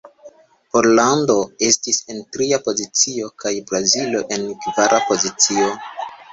Pollando estis en tria pozicio, kaj Brazilo en kvara pozicio.